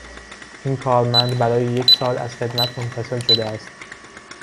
این کارمند برای یکسال از خدمت منفصل شده است.